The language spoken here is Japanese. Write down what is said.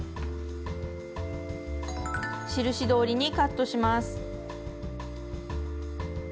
印どおりにカットします。